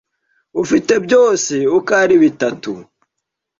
ufite byose uko ari bitatu